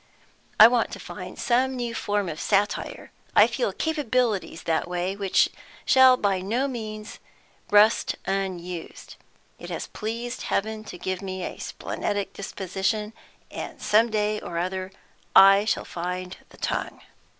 I want to find some new form of satire; I feel capabilities that way which shall by no means rust unused. It has pleased Heaven to give me a splenetic disposition, and some day or other I shall find the tongue."